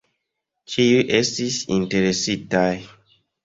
Ĉiuj estis interesitaj.